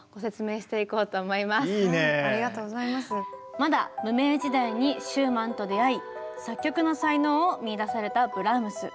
まだ無名時代にシューマンと出会い作曲の才能を見いだされたブラームス。